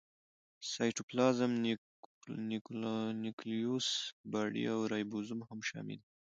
سایټوپلازم، نیوکلیوس باډي او رایبوزوم هم شامل دي.